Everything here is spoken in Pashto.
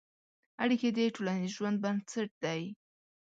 اړیکې د ټولنیز ژوند بنسټ دي.